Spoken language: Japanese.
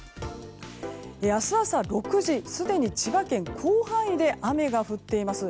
明日朝６時すでに千葉県、広範囲で雨が降っています。